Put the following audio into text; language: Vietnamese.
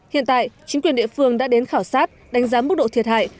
hiện tại chính quyền địa phương đã đến khảo sát đánh giá mức độ thiệt hại